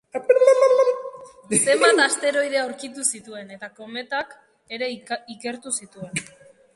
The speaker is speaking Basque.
Zenbait asteroide aurkitu zituen, eta kometak ere ikertu zituen.